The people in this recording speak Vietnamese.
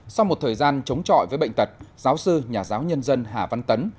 sau một thời gian chống chọi với bệnh tật giáo sư nhà giáo nhân dân hà văn tấn